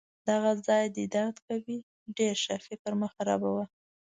دغه ځای دي درد کوي؟ ډیر ښه! فکر مه خرابوه.